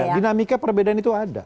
ya ada dinamika perbedaan itu ada